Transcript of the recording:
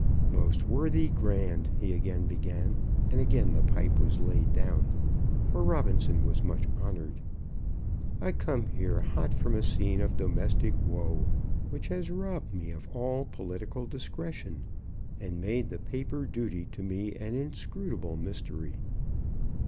"Most worthy Grand," he again began, and again the pipe was laid down, for Robinson was much honoured. "I come here hot from a scene of domestic woe, which has robbed me of all political discretion, and made the paper duty to me an inscrutable mystery.